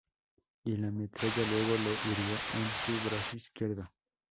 Y la metralla luego lo hirió en su brazo izquierdo.